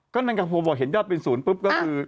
ก็นังกับผมบอกเห็นยอดเป็น๐ปุ๊บก็คือ